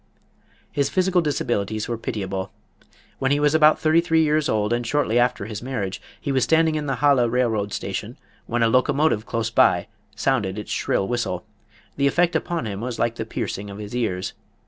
His physical disabilities were pitiable. When he was about thirty three years old and shortly after his marriage, he was standing in the Halle railway station when a locomotive close by sounded its shrill whistle. The effect upon him was like the piercing of his ears.